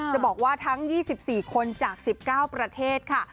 จะบอกว่าทั้ง๒๔คนจาก๑๙ประเทศค่ะ